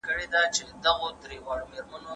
محرمیت انسان ته د ازادۍ احساس ورکوي.